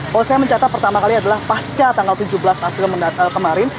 kalau saya mencatat pertama kali adalah pasca tanggal tujuh belas april kemarin